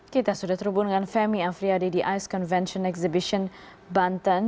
kita sudah terhubung dengan femi afriyadi di ice convention exhibition banten